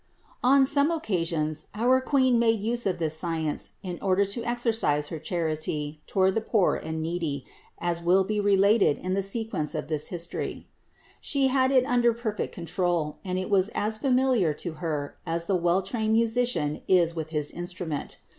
30. On some occasions our Queen made use of this science in order to exercise her charity toward the poor and needy, as will be related in the sequence of this his tory (No. 668, 867, 868, 1048; III. 159, 423): She had it under perfect control, and it was as familiar to Her as the well trained musician is with his instrument.